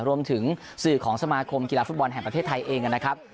รวมถึงสื่อของสมาคมกีฬาฟุตบอลแห่งประเทศไทยเองนะครับ